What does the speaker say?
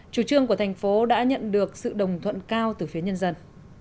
chủ trương của thành phố đã nhận được sự đồng thuận cao từ phía nhân dân